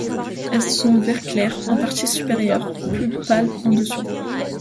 Elles sont vert clair en partie supérieure, plus pâle en dessous.